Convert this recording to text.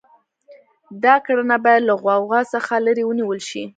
دا کړنه باید له غوغا څخه لرې ونیول شي.